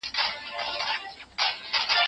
پلی تګ د وینې د شکر کنټرول کې مرسته کوي.